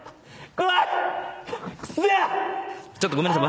ちょっとごめんなさい。